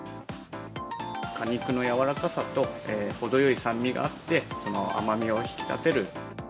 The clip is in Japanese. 果肉の柔らかさと程よい酸味があって、その甘みを引き立てる。